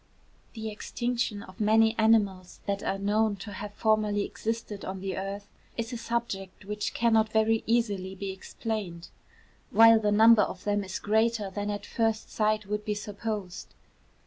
The extinction of many animals that are known to have formerly existed on the earth, is a subject which cannot very easily be explained, while the number of them is greater than at first sight would be supposed.